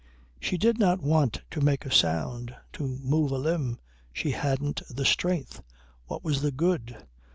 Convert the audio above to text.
She did not want to make a sound, to move a limb. She hadn't the strength. What was the good?